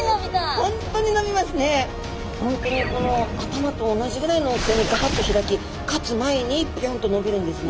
本当にこの頭と同じぐらいの大きさにガバッと開きかつ前にビュンと伸びるんですね。